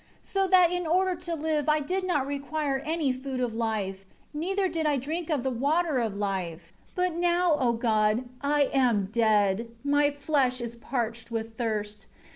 11 So that in order to live I did not require any Food of Life, neither did I drink of the Water of Life. 12 But now, O God, I am dead; my flesh is parched with thirst.